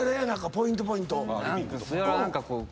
ポイントポイント。